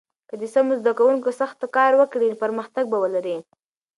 که د سمو زده کوونکو سخت کار وکړي، پرمختګ به ولري.